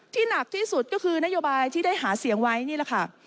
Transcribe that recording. หนักที่สุดก็คือนโยบายที่ได้หาเสียงไว้นี่แหละค่ะ